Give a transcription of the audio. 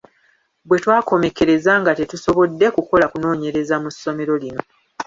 Bwetwakomekkereza nga tetusobodde kukola kunoonyereza mu ssomero lino.